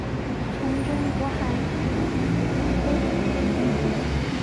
从征渤海国有功。